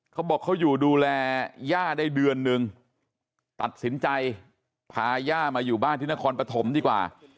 เขาบอกเขาอยู่ดูแลย่าได้เดือนนึงตัดสินใจพาย่ามาอยู่บ้านที่นครปฐมดีกว่า